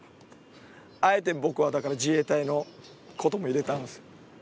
あえて僕はだから自衛隊のことも入れたんですよ。